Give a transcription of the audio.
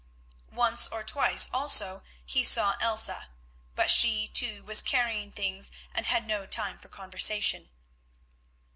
Once or twice also he saw Elsa, but she, too, was carrying things, and had no time for conversation.